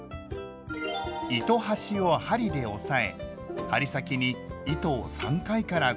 糸端を針で押さえ針先に糸を３回から５回巻きつけます。